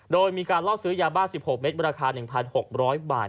โดยมีการล่อซื้อยาบ้า๑๖เม็ดราคา๑๖๐๐บาท